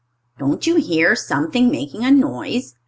"Don't you hear something making a noise?"